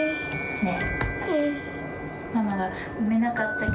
ねえ。